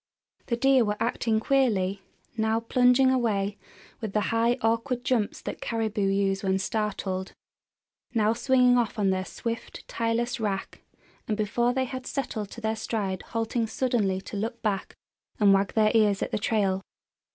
The deer were acting queerly, now plunging away with the high, awkward jumps that caribou use when startled; now swinging off on their swift, tireless rack, and before they had settled to their stride halting suddenly to look back and wag their ears at the trail.